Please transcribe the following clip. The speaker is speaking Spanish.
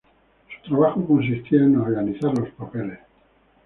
Su trabajo consistía en organizar los papeles.